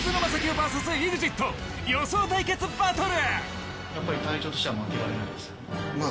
ＶＳＥＸＩＴ予想対決バトル！